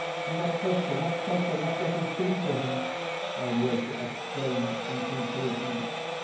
And what torture, what torture that debt has been to him!" Alyosha exclaimed in conclusion.